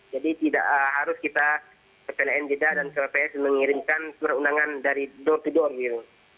jadi tidak harus kita ppn jeddah dan kpps mengirimkan surat undangan dari door to door gitu